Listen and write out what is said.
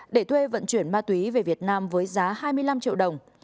để thuê vận chuyển ma túy về việt nam với giá hai mươi năm triệu đồng